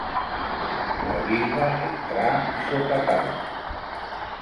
El bisbe entrà sota tàlem.